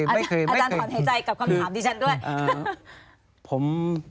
อาจารย์ถอนหายใจกับคำถามดิฉันด้วย